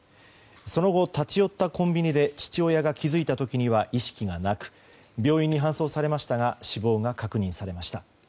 その後、立ち寄ったコンビニで父親が気付いた時には意識がなく病院に搬送されましたが死亡が確認されました。